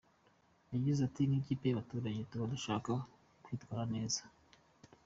Yagize ati "Nk’ikipe y’abaturage tuba dushaka kwitwara neza.